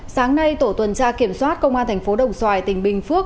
sáng nay tổ tuần tra kiểm soát công an tp đồng xoài tỉnh bình phước